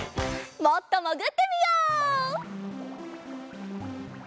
もっともぐってみよう。